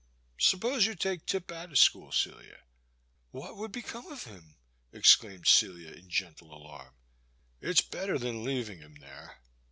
Suppose you take Tip out of school, Celia. *' What would become of him ?exclaimed Celia in gentle alarm. It *s better than leaving him there.